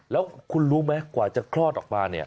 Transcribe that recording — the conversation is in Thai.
แล้วคุณรู้ไหมกว่าจะคลอดออกมาเนี่ย